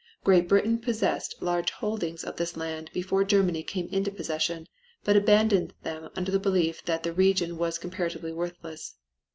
Great Britain possessed large holdings of this land before Germany came into possession, but abandoned them under the belief that the region was comparatively worthless.